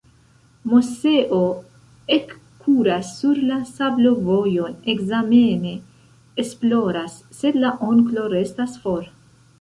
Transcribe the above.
Moseo ekkuras sur la sablovojon, ekzamene esploras, sed la onklo restas for.